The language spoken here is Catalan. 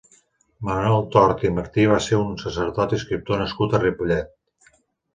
Manuel Tort i Martí va ser un sacerdot i escriptor nascut a Ripollet.